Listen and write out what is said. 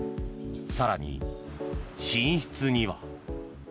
更に、寝室には。